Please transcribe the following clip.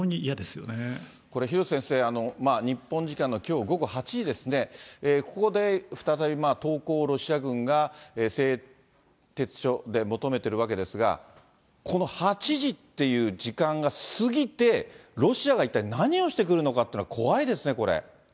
これ、廣瀬先生、日本時間のきょう午後８時ですね、ここで再び、投降をロシア軍が製鉄所で求めてるわけですが、この８時っていう時間が過ぎて、ロシアが一体何をしてくるのかっていうのが怖いですね、これ。